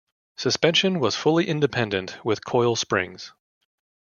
Suspension was fully independent with coil springs.